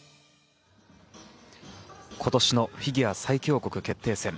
今年のフィギュア最強国決定戦。